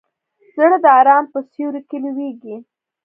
زړه د ارام په سیوري کې لویېږي.